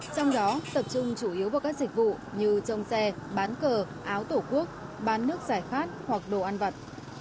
trong đó tập trung chủ yếu vào các dịch vụ như trông xe bán cờ áo tổ quốc bán nước giải khát hoặc đồ ăn vặt